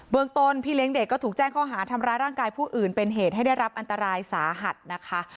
เมืองต้นพี่เลี้ยงเด็กก็ถูกแจ้งข้อหาทำร้ายร่างกายผู้อื่นเป็นเหตุให้ได้รับอันตรายสาหัสนะคะ